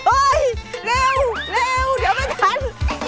เร็วเร็วเดี๋ยวไม่ทัน